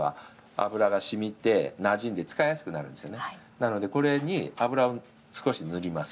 なので、これに油を少し塗ります。